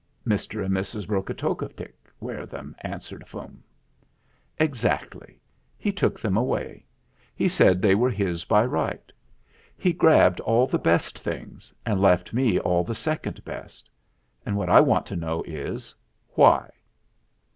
"Mr. and Mrs. Brokotockotick wear them," answered Fum. 26 THE FLINT HEART "Exactly. He took them away. He said they were his by right. He grabbed all the best things and left me all the second best. And what I want to know is, why